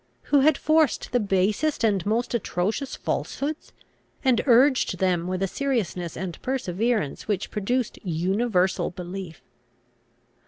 who had forced the basest and most atrocious falsehoods, and urged them with a seriousness and perseverance which produced universal belief?